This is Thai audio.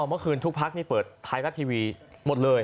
เมื่อคืนทุกภาคไปเปิดท้ายรัฐทีวีมัดเลย